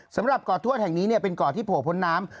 สำหรับเกาะทวดแห่งนี้เป็นเกาะที่โผล่พ้นน้ำ